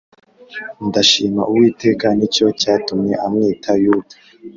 ndashima Uwiteka Ni cyo cyatumye amwita Yuda